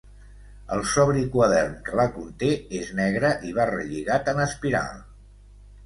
El sobri quadern que la conté és negre i va relligat en espiral.